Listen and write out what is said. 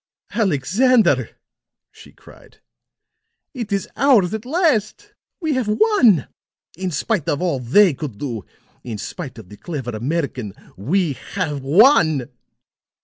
"Alexander," she cried, "it is ours at last! We have won! In spite of all they could do in spite of the clever American, we have won!"